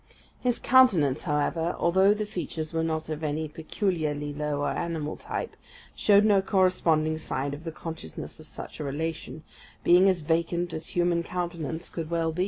His countenance, however, although the features were not of any peculiarly low or animal type, showed no corresponding sign of the consciousness of such a relation, being as vacant as human countenance could well be.